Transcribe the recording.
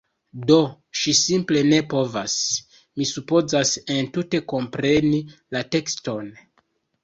Do, ŝi simple ne povas... mi supozas entute kompreni la tekston